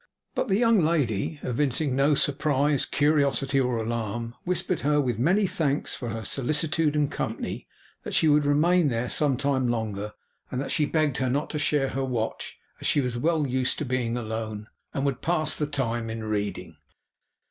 But the young lady evincing no surprise, curiosity, or alarm, whispered her, with many thanks for her solicitude and company, that she would remain there some time longer; and that she begged her not to share her watch, as she was well used to being alone, and would pass the time in reading.